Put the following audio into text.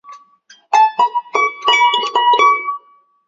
主要供除南航及其旗下航空公司外的国内航线使用。